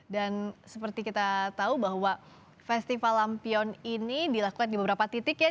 dan seperti kita tahu bahwa festival lampion ini dilakukan di beberapa titik ya